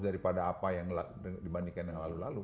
daripada apa yang dibandingkan yang lalu lalu